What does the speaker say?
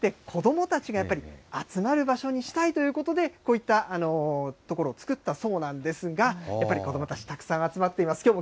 子どもたちがやっぱり集まる場所にしたいということで、こういった所を作ったそうなんですが、やっぱり子どもたち、たくさん集まっています。